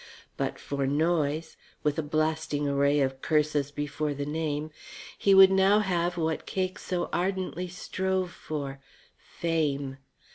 But for Noyes with a blasting array of curses before the name he would now have what Cake so ardently strove for: Fame.